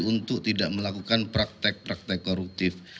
untuk tidak melakukan praktek praktek koruptif